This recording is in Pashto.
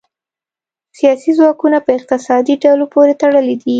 سیاسي ځواکونه په اقتصادي ډلو پورې تړلي دي